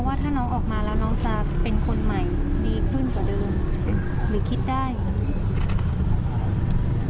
แน่ว่าถ้าน้องออกมาแล้วน้องจะเป็นคนใหม่ดีขึ้นกว่าเดิม